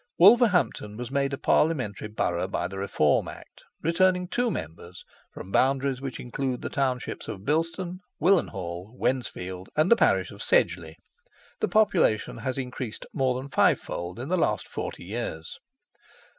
Wolverhampton was made a Parliamentary borough by the Reform Act, returning two members from boundaries which include the townships of Bilston, Willenhall, Wednesfield, and the parish of Sedgeley. The population has increased more than five fold in the last forty years.